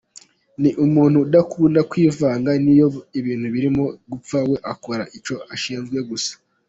Ni umuntu udakunda kwivanga , n’iyo ibintu birimo gupfa we akora icyo ashinzwe gusa.